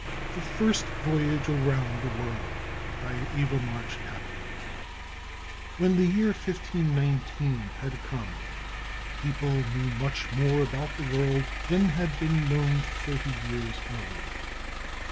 THE FIRST VOYAGE AROUND THE WORLD BY EVA MARCH TAPPAN When the year 15 19 had come, people knew much more about the world than had been known thirty years earlier.